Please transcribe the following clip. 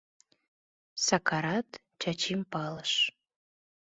Сакарат Чачим палыш.